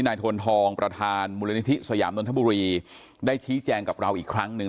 ทนทองประธานมูลนิธิสยามนนทบุรีได้ชี้แจงกับเราอีกครั้งหนึ่ง